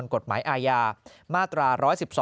ตามประมวลกฎหมายอายามาตรา๑๑๒